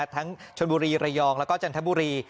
ทั้งชนบุรีระยองแล้วก็จันทบุรี